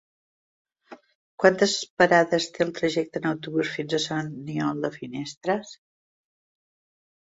Quantes parades té el trajecte en autobús fins a Sant Aniol de Finestres?